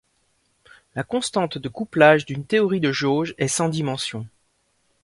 La constante de couplage d'une théorie de jauge est sans dimension.